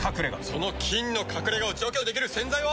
その菌の隠れ家を除去できる洗剤は。